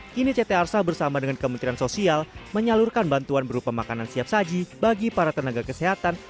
kini ct arsa bersama dengan kementerian sosial menyalurkan bantuan berupa makanan siap saji bagi para tenaga kesehatan